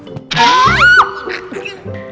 aku mau ke rumah